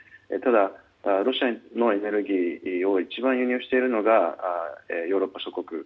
ただ、ロシアのエネルギーを一番輸入しているのがヨーロッパ諸国。